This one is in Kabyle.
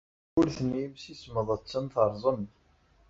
Tawwurt n yimsismeḍ attan terẓem.